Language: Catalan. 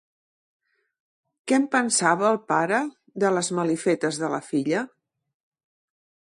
Què en pensava el pare, de les malifetes de la filla?